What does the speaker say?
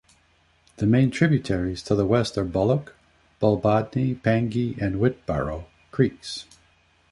The main tributaries to the west are Bullock, Bulbodney, Pangee and Whitbarrow Creeks.